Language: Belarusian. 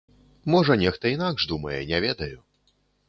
Можа нехта інакш думае, не ведаю.